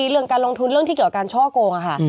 เรื่องการลงทุนเรื่องที่เกี่ยวกับการช่อโกงค่ะ